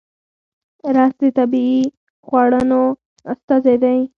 رس د طبیعي خوړنو استازی دی